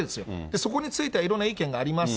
そこについては、いろんな意見があります。